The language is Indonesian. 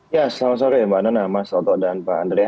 ya selamat sore mbak nana mas toto dan pak andrea